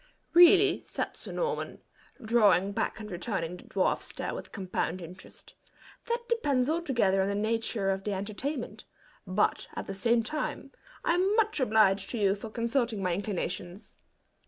"Really," said Sir Norman, drawing back and returning the dwarf's stare with compound interest, "that depends altogether on the nature of the entertainment; but, at the same time, I'm much obliged to you for consulting my inclinations."